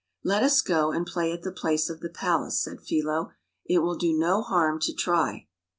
" Let us go and play at the place of the palace!/* said Philo. " It will do no harm to try."